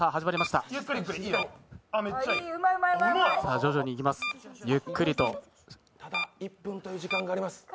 ただ、１分という時間があります。